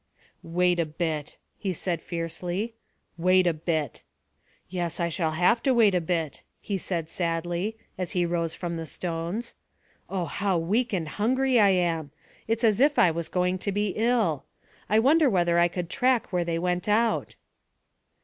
"Wait a bit," he said fiercely, "wait a bit." "Yes, I shall have to wait a bit," he said sadly, as he rose from the stones. "Oh, how weak and hungry I am! It's as if I was going to be ill. I wonder whether I could track where they went out."